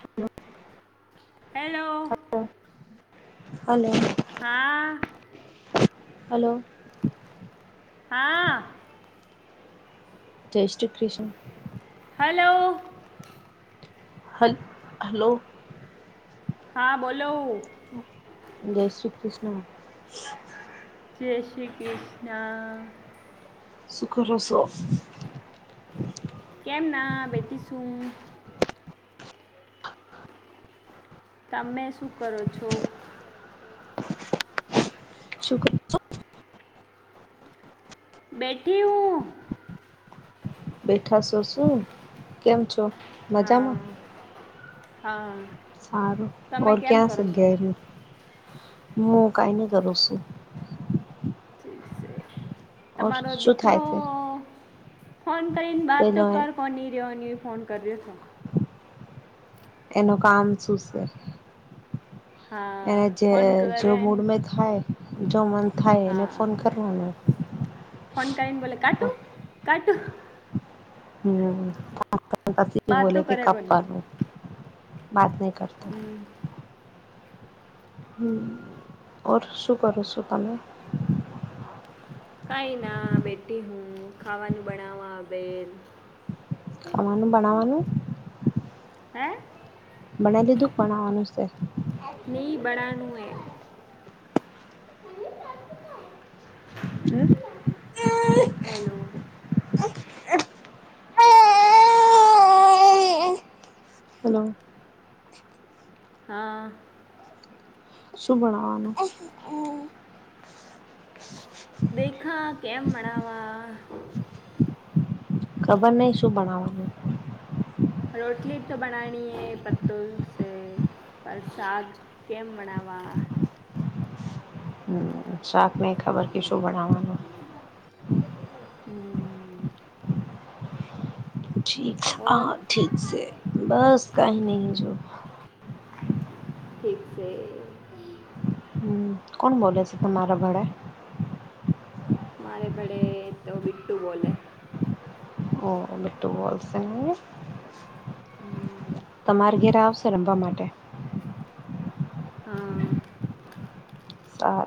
Hello hello hello હા hello હા જય Shri Krishna hello hello hello હા બોલો જય શ્રી કૃષ્ણ જય શ્રી કૃષ્ણા સુ કરો સો. કેમ ના બેટી છું. તમે શું કરો છો. શુક્ર બેઠી હું બેઠા છો શું કેમ છો હા મજામાં હા સારું તમે ઓર કેમ ક્યાં સ કરો છો ઘેરેએ મુ કઈ નઈ કરું છું. ઠીક છે ઓર તમારો શું દીકરો થાય છે ફોન કરીને બાત તો પેલો કર કોની રહેયોની ફોન કર્યો તો એનું કામ શું સે. હા એને જે ફોન કરે જો મૂડમાં ને- થાય જો મન થાય એને હા ફોન કરવાનો ફોન કરે ને બોલે કાટું કાટું હમ વાત તો બોલે કે કરે કબ કોને કરું વાત નહી કરતો હ ઓર શું કરો છો તમે. કઈ ના બેઠી હું ખાવાનું બડાવા બેલ. ખાવાનું બનાવાનું. હે. બનાયે દિધું બનાવાનું છે. ની બનાડ નુ હૈ. હલો. હે? હેલો હા. શું બણવાનું દેખા કેમ બડાવા. ખબર નહિ શું બનાવવાનું. રોટલી તો બનાની હે પત્તુ છે. પ્રસાદ કેમ બનાાવવા. હમ શાક નહી ખબર કે શું ભણાવવાનું. હમ. ઠીક ઓર હા ઠીક છે બસ કાઈ નહીં હ જો. ઠીક છે. હમ કોણ બોલે છે તમારા વડે. મારે વડે તો બીટ્ટું બોલે. ઓ બીટ્ટ બોલશે નહિ તમારે ઘેરે આવશે. રમવા માટે. હા આ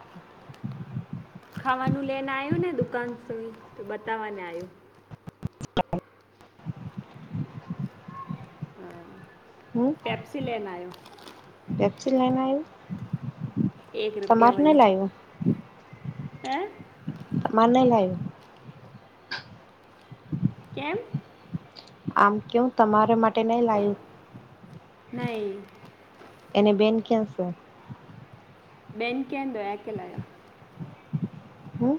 ખાવાનું લઈને આવ્યું ને દુકાન સુધ તો બતાવવાને આવ્યુ હ પેપ્સી લેના આવ્યો વક્ચ લેના આવ એક રૂપિયા મળલી હ મ નહી લાગ્યુ. કેમ આમ કેવ તમારા માટે નઈ લાવ્યુ. નહી એને બેન ક્યાં છે. બેન કં દોયાકે લયા. હમ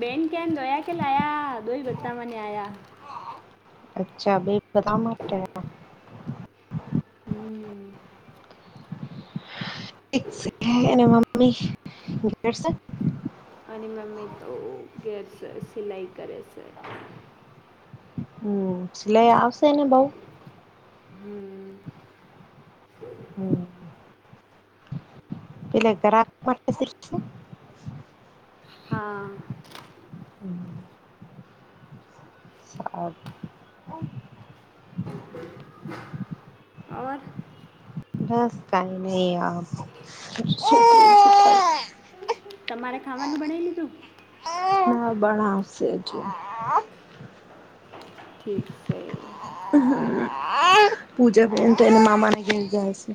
બેન કેમ ધોયા કે લયા દોહી ભતામાંને આયા અચ્છા બે બધ માટે હમ્મ ઠીક છે. એને મમ ગર છે. અને મમ્મી તો ગેરસ સિલાઈ કરે છે. હમ સિલાઈ આવશે ને બઉ હમ હમ્મ બલેગ દરા હા હ ઓર બસ ફાઈનલી આપ. તમારે ખાવાનું બનાવી લીધુ. હ બણાવશે હજુ ઠીક છે. પૂજા પ એ તો એને મામાને ક જાય છે.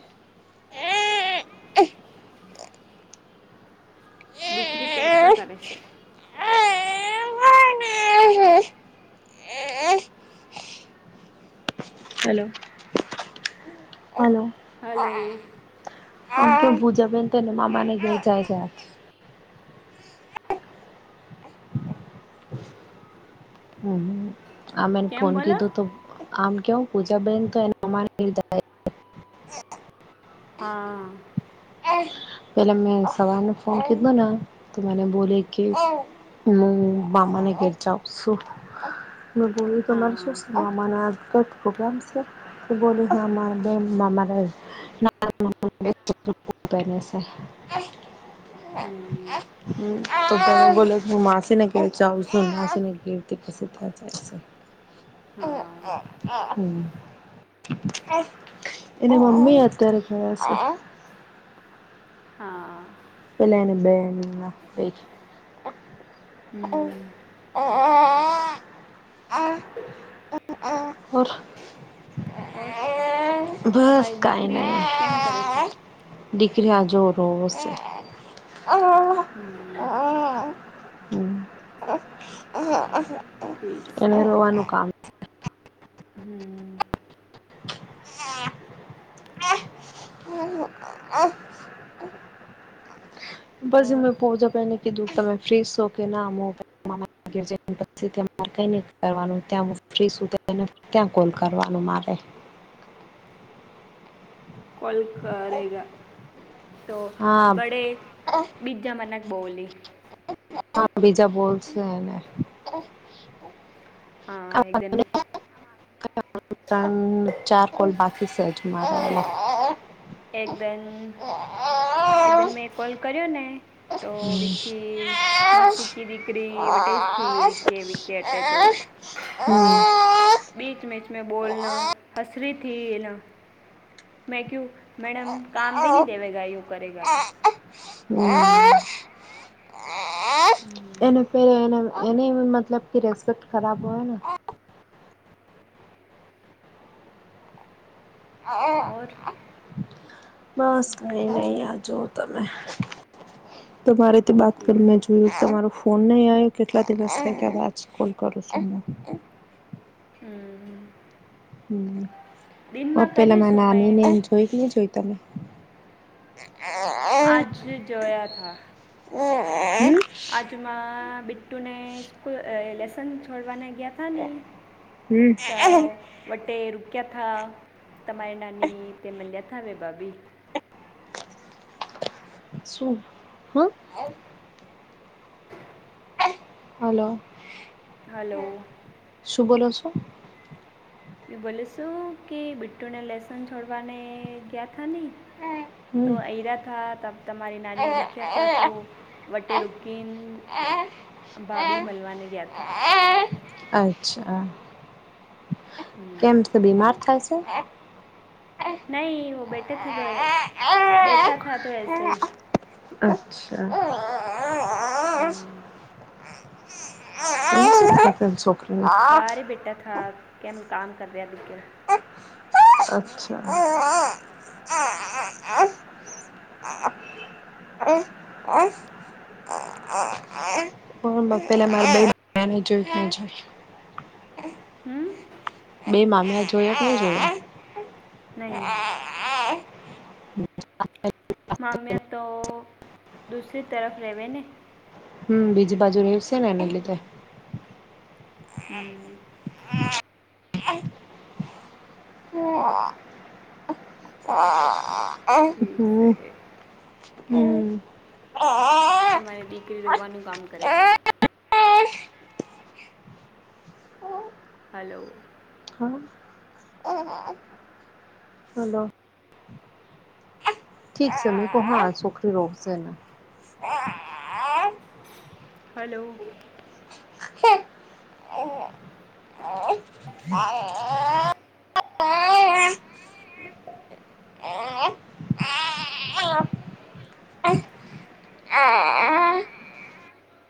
દીરી ટેક ક કરે છે. હલો હલો હલો બુજબ તને મામાાને ગ જાય જાય. હમ આમ એને કેમ ફોન બોલો કીધું તો આમ કેવ પૂછા બેન તો એમા હા પેલા મે સવારને ફોન કધું ના તો મે બોલે કે હું બમાને ઘેર જઉ છુ, મે હા બો તમારે [unintelligible] [unintelligible] હ હમ તો ત બોલો હું માસીને કી ચ આવ છુ, માસી ને ગીથી પછી ત્યાં જાય છે. હા હા એને મમ્મી અત્યારે ગયા છે. હા પેલા એના બેન હમ ઓર ઓર બસ તમારી કાઈ દીકરી કેમ કરે છે. નહી [unintelligible] હમ હમ [inaudible] ઠીક એને છે. રોવાનું કામ [inaudible] [inaudible] [unintelligible] મારે કઈ ન કરવાનું ત્યાં હું ફ્રી સુધી ત્યાં કોલ કરવાનું મારે કોલ કરેગા તો હા બડે બી જમનક બોલી હા બીજા બોલશે એને [inaudible] [inaudible] ત્રણ ચાર કોલ બાકી છે હજુ મારે એકદીન એકદીન મેં કોલ કર્યો ને [unintelligible] [unintelligible] [inaudible] [inaudible] [inaudible] એને એ મતલબ કે રેસ્પેક્ટ ખરાબ હોય ને [inaudible] બસ કઈ નહી આ જુઓ તમે તમારે તે [unintelligible] જો તમારો ફોન નહી આવ્યો કેટલા દિવસ [unintelligible] હમ, દિનમાં કર્યું શું મેં [inaudible] આજ જોયા હતા [inaudible] આજમાં બિટ્ટુને સ્કૂલ લેસન છોડવાના ગયા હમ [inaudible] [inaudible] શું હા? હલો હલો શું બોલો છો? એ બોલે શું કે બીટ્ટુને લેસન છોડવાને ગયા થા નહી તો હમ ઈરા થા તબ તમારી નાની દીખ્યા થા તો વટે રુકીન ભાભી મલવાને ગયા થા અચ્છા હમ. કેમ બીમાર થાય છે? નહીં [unintelligible] અચ્છા હમ [unintelligible] છોકરી બારે બેટા થા કેમ કામ કર રહ્યા [unintelligible] [unintelligible] હ હ [unintelligible] [unintelligible] હમ બે મામિયા જોયા કે નઈ જોયા? નહી. મામિયા તો દૂસરી તરફ રહેવે ને હમ બીજી બાજુ રેવશે ને એને લીધે હમ હા [inaudible] ઠીક છે [inaudible] હમ [inaudible] તમારી દીકરી રોવાનું કામ કરે છે. હલો હા હલો ઠીક છે મુ કઉ હુંન આ શોકરી રોગસે હલો. [inaudible] [inaudible]